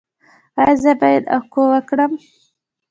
ایا زه باید اکو وکړم؟